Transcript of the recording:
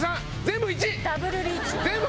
全部１！